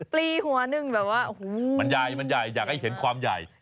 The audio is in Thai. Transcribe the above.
ปลี่หัวหนึ่งแบบว่าฮู้ววมันใหญ่อยากให้เห็นความใหญ่